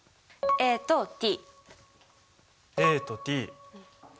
ＡとＴ。